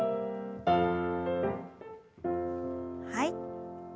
はい。